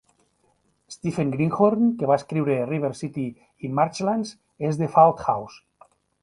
Stephen Greenhorn, que va escriure "River City" i "Marchlands" és de Fauldhouse.